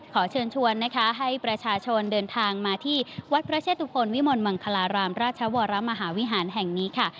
ขอเชิญชวนนะคะให้ประชาชนเดินทางมาที่วัดพระเชตุพลวิมลมังคลารามราชวรมหาวิหารแห่งนี้ค่ะ